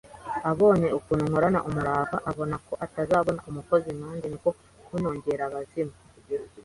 abonye ukuntu nkorana umurava abona ko atazabona umukozi nkanjye ni ko kuntongera abazimu